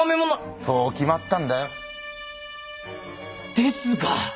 そう決まったんだよですが！